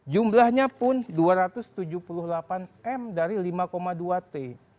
jumlahnya pun dua ratus tujuh puluh delapan m dari lima dua t